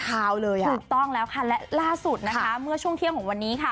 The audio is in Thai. เลยอ่ะถูกต้องแล้วค่ะและล่าสุดนะคะเมื่อช่วงเที่ยงของวันนี้ค่ะ